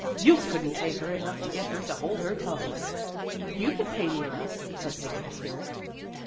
You couldn't pay her enough to get her to hold her tongue." "You could pay me enough," said Peggy with spirit.